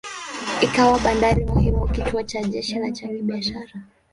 Ikawa bandari muhimu, kituo cha kijeshi na cha kibiashara.